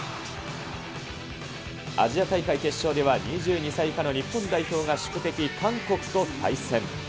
アジア大会決勝では、２２歳以下の日本代表が、宿敵、韓国と対戦。